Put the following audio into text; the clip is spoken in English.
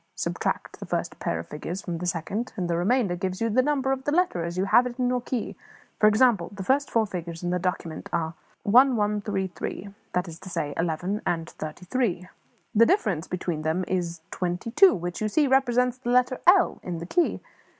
Subtract the first pair of figures from the second, and the remainder gives you the number of the letter as you have it in your key. For example: the first four figures in the document are 1133; that is to say, eleven and thirty three. The difference between them is twenty two, which, you see, represents the letter L in the key.